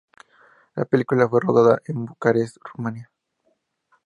La película fue rodada en Bucarest, Rumania.